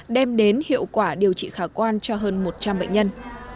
đem đến hiệu quả điều trị khả quan cho hơn một trăm linh bệnh nhân